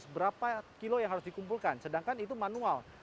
berapa kilo yang harus dikumpulkan sedangkan itu manual